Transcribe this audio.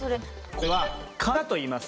これは「滑車」といいます。